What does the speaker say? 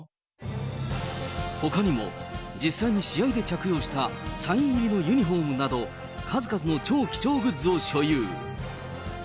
ほかにも実際に試合で着用したサイン入りのユニホームなど、数々の超貴重グッズを所有。